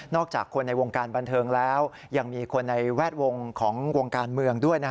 จากคนในวงการบันเทิงแล้วยังมีคนในแวดวงของวงการเมืองด้วย